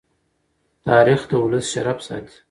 تاریخ د ولس شرف ساتي.